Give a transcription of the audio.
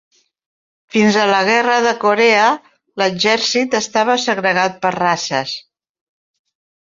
Fins a la Guerra de Corea, l'exèrcit estava segregat per races.